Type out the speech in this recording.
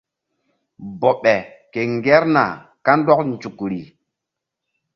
Bɔɓe ke ŋgerna kandɔk nzukri.